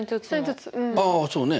あそうね